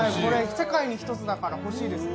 世界に一つだから欲しいですね。